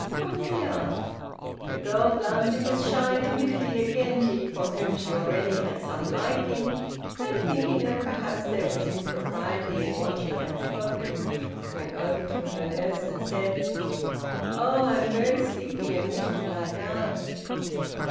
Come here!" The girl, glancing with shy timidity at Genji, for whom she already had some liking, and thinking that perhaps there was impropriety in what she had spoken, went over to her nurse, and said, "Oh! I am very sleepy, and wish to lie down!"